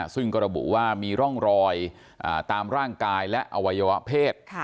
ซึ่งก็ระบุว่ามีร่องรอยตามร่างกายและอวัยวะเพศ